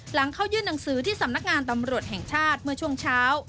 หลังเข้ายื่นหนังสือที่สำนักงานตำรวจแห่งชาติเมื่อช่วงเช้า